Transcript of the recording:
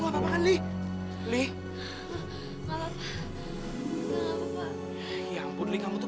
ada orang di sini kong liat